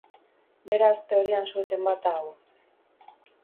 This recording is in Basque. Beraz, teorian, su-eten bat da hau.